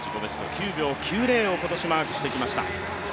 ９秒９０を今年マークしてきました。